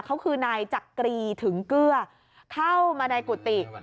เขาคือนายจักรีถึงเกลือเข้ามาในกุฏิ